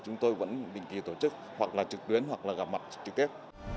chúng tôi vẫn định kỳ tổ chức hoặc là trực tuyến hoặc là gặp mặt trực tiếp